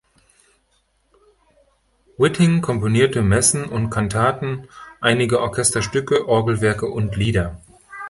Whiting komponierte Messen und Kantaten, einige Orchesterstücke, Orgelwerke und Lieder.